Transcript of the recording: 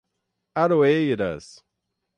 Aroeiras